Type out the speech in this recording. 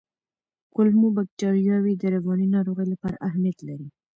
کولمو بکتریاوې د رواني ناروغیو لپاره اهمیت لري.